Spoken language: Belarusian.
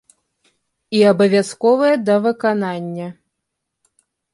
І абавязковыя да выканання!